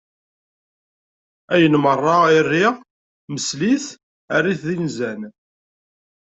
Ayen merra i riɣ msel-it err-it d inzan.